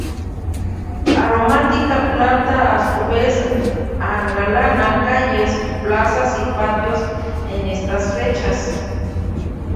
Aromática planta que a su vez engalana calles, plazas y patios en estas fechas.